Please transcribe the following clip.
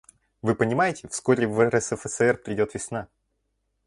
Вы понимаете, вскоре в РСФСР придет весна.